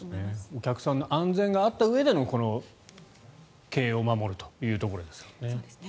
お客さんの安全があったうえでの経営を守るというところですね。